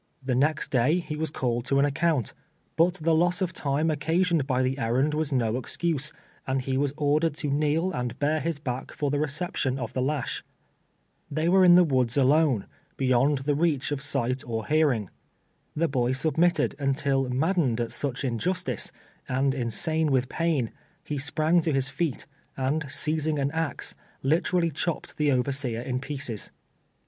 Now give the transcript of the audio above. The next day he was called to an account, but the loss of time oc casioned by the errand was no excuse, and he was ordered to kneel and bare his back for the reception of the lash. Tliey were in the woods alone — beyond the reach of sight or hearing. The boy submitted until maddened at such injustice, and insane with pain, he sprang to his feet, and seizing an axe, liter ally chopped the overseer in pieces.